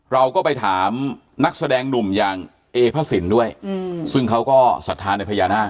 เราก็ไปถามนักแสดงหนุ่มอย่างเอพระสินด้วยซึ่งเขาก็ศรัทธาในพญานาค